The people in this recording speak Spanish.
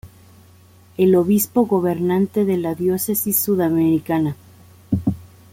El obispo gobernante de la diócesis sudamericana.